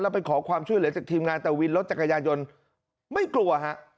ไปขอความช่วยเหลือจากทีมงานแต่วินรถจักรยานยนต์ไม่กลัวฮะ